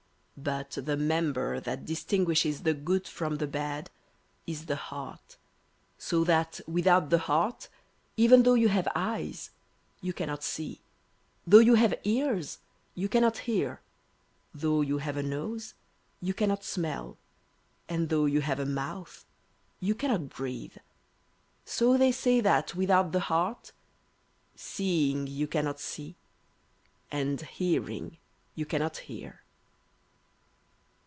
But the member that distinguishes the good from the bad is the heart, so that without the heart, even though you have eyes you cannot see, though you have ears you cannot hear, though you have a nose you cannot smell, and though you have a mouth you cannot breathe, so they say that without the heart "seeing you cannot see, and hearing you cannot hear."